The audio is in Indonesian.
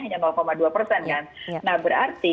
hanya dua persen kan nah berarti